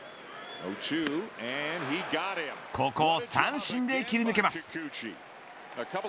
ここを三振で切り抜けます。